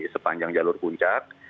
sepanjang jalur puncak